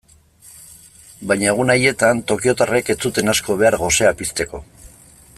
Baina egun haietan tokiotarrek ez zuten asko behar gosea pizteko.